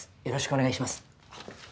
よろしくお願いします。